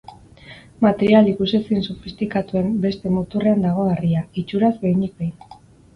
Material ikusezin sofistikatuen beste muturrean dago harria, itxuraz, behinik behin.